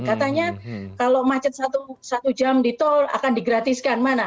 katanya kalau macet satu jam di tol akan digratiskan mana